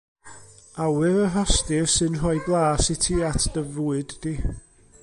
Awyr y rhostir sy'n rhoi blas i ti at dy fwyd di.